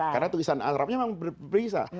karena tulisan arabnya memang berbeza